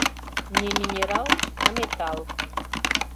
Не минерал, а металл.